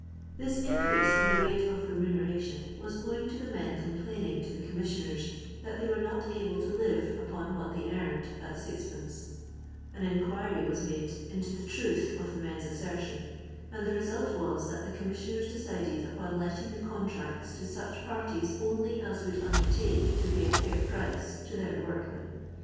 This increase in the rate of remuneration was owing to the men complaining to the com missioners that they were nd able to live upon what they earned at Qd, ; an enquiry was made into the truth of the men's assertion, and the re sult was that the commisidners decided upon letting the contracts to such parties only as would under "take to pay a fiur price to their workmen.